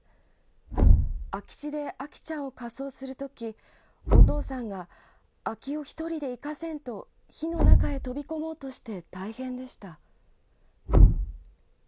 空き地で昭ちゃんを火葬するとき、お父さんが、昭雄一人で行かせんと火の中へ飛び込もうとして大変でした。